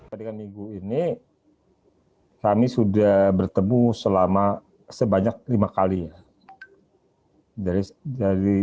ketika minggu ini kami sudah bertemu sebanyak lima kali